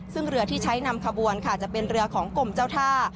ซึ่งเรือที่ใช้นำขบวนค่ะจะเป็นเรือของกรมเจ้าท่า